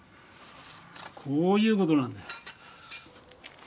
こういうことなんだよ。